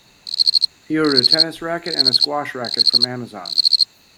He ordered a tennis racket and a squash racket from Amazon.